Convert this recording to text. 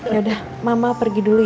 ya udah mama pergi dulu ya